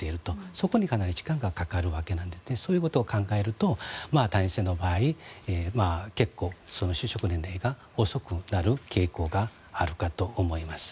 そこにかなり時間がかかるわけでそういうことを考えると男性の場合結構、就職年齢が遅くなる傾向があるかと思います。